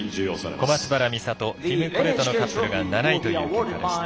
小松原美里、ティム・コレトのカップルが７位という結果でした。